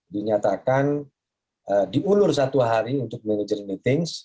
dinyatakan diulur satu hari untuk mini news meeting